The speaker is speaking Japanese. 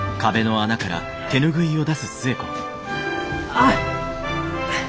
あっ！